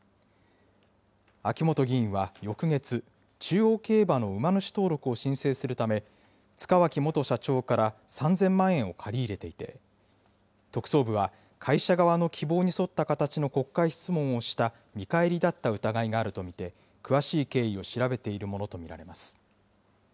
秋本議員は翌月、中央競馬の馬主登録を申請するため、塚脇元社長から３０００万円を借り入れていて、特捜部は、会社側の希望に沿った形の国会質問をした見返りだった疑いがあると見て、詳しい経緯を調べているものと見られます。